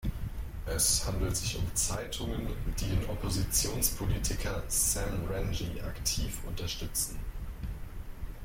Es handelt sich um Zeitungen, die den Oppositionspolitiker Sam Rengie aktiv unterstützen.